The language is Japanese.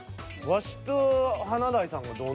ワシと華大さんがどの。